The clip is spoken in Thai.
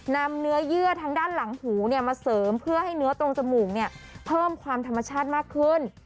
นำเนื้อเยื่อทางด้านหลังหูมาเสริมเพื่อให้เนื้อตรงจมูกเพิ่มความธรรมชาติมากขึ้น